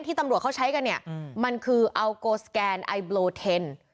ตำรวจเขาใช้กันเนี่ยมันคืออัลโกสแกนไอโบเทน